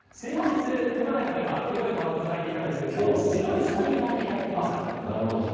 先日、熊谷では黒い革靴を履いていたんですが、今日は白いスニーカーに変えてきました。